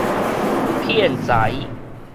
騙財